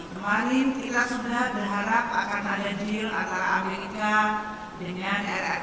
kemarin kita sudah berharap akan ada deal antara amerika dengan rrt